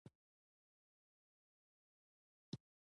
دغه راز مقولې د هرې غونډې د موضوع مطابق.